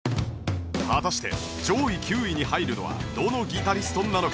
果たして上位９位に入るのはどのギタリストなのか？